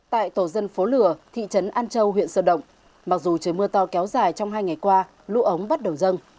tại tổ dân phố lửa thị trấn an châu huyện sơn động mặc dù trời mưa to kéo dài trong hai ngày qua lũ ống bắt đầu dâng